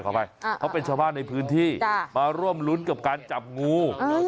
อภัยเขาเป็นชาวบ้านในพื้นที่มาร่วมรุ้นกับการจับงู